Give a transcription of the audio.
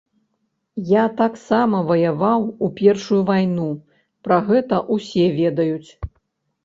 Я таксама ваяваў у першую вайну, пра гэта ўсе ведаюць.